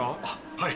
はい。